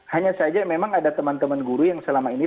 hanya saja memang ada teman teman guru yang selama ini